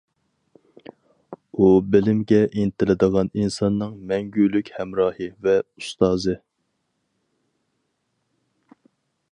ئۇ بىلىمگە ئىنتىلىدىغان ئىنساننىڭ مەڭگۈلۈك ھەمراھى ۋە ئۇستازى.